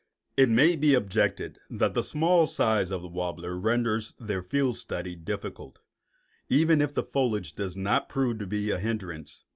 It may be objected that the small size of the warblers renders their field study difficult, even if the foliage does not prove a serious hindrance.